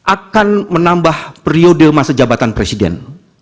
akan menambah periode masa jabatan presiden